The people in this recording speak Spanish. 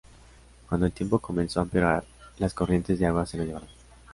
Cuando el tiempo comenzó a empeorar, las corrientes de agua se lo llevaron.